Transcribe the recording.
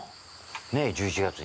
ねえ、１１月に。